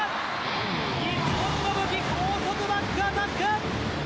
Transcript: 日本の武器高速バックアタック！